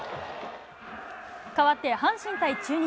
変わって、阪神対中日。